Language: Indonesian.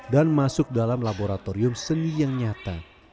dan masuk dalam laboratorium seni yang nyata